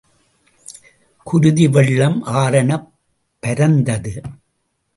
குருதி வெள்ளம் ஆறெனப் பரந்தது.